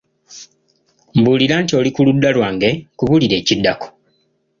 Mbuulira nti oli ku ludda lwange nkubuulire ekiddako.